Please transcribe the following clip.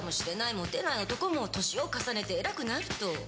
モテない男も年を重ねて偉くなると。